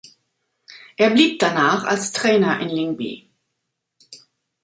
Er blieb danach als Trainer in Lyngby.